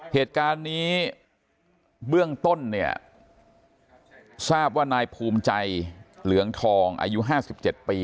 เหตุการณ์นี้เบื้องต้นเนี่ยทราบว่านายภูมิใจเหลืองทองอายุ๕๗ปี